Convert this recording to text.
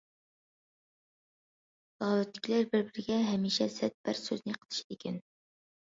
زاۋۇتتىكىلەر بىر- بىرىگە ھەمىشە سەت بىر سۆزنى قىلىشىدىكەن.